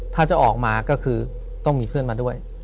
ถ้าจะออกมาก็คือต้องมีเพื่อนมาด้วย